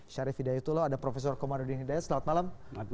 syarif hidayatullah ada prof komarudin hidayat selamat malam